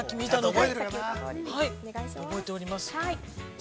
◆覚えております。